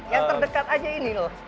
yang terdekat aja ini loh